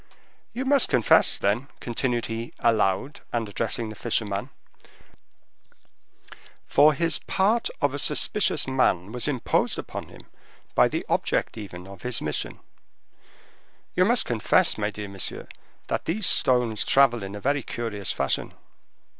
"You must confess," continued he then, aloud, and addressing the fisherman—for his part of a suspicious man was imposed upon him by the object even of his mission—"you must confess, my dear monsieur, that these stones travel in a very curious fashion."